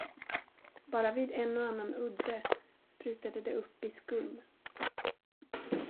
Bara vid en och annan udde sprutade det upp i skum.